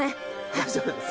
大丈夫です。